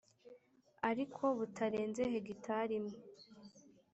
ariko butarenze hegitari imwe